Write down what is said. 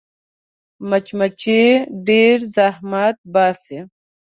مچمچۍ ډېر زحمت باسي